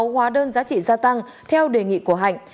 sáu hóa đơn giá trị gia tăng theo đề nghị của hạnh